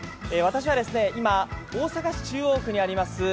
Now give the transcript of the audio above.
私は今、大阪市中央区にあります